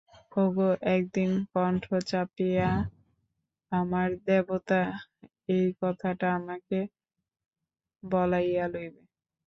ওগো, একদিন কণ্ঠ চাপিয়া আমার দেবতা এই কথাটা আমাকে বলাইয়া লইবে।